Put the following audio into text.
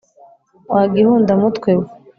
wa gihunda-mutwe we